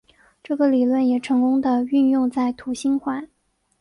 这个理论也成功的运用在土星环。